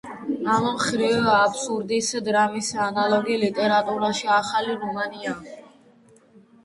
ამ მხრივ აბსურდის დრამის ანალოგი ლიტერატურაში ახალი რომანია.